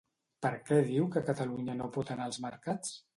Per què diu que Catalunya no pot anar als mercats?